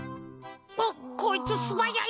おっこいつすばやい。